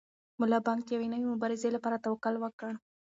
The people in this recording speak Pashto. ملا بانګ د یوې نوې مبارزې لپاره تکل وکړ.